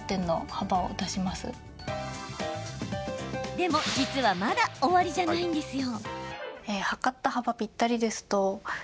でも実はまだ終わりじゃないんですよ。